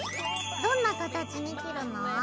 どんな形に切るの？